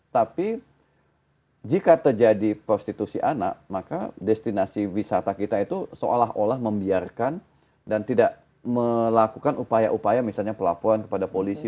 tapi jika terjadi prostitusi anak maka destinasi wisata kita itu seolah olah membiarkan dan tidak melakukan upaya upaya misalnya pelaporan kepada polisi